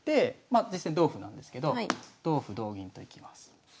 まあ実戦同歩なんですけど同歩同銀といきます。